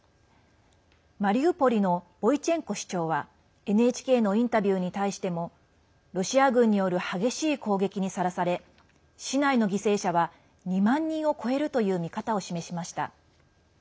マリウポリのボイチェンコ市長はＮＨＫのインタビューに対してもロシア軍による激しい攻撃にさらされ市内の犠牲者は２万人を超えるという見方を示しました。